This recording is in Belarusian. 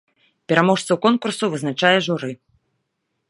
Пераможцаў конкурсу вызначае журы.